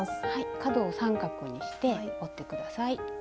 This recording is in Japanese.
角を三角にして折って下さい。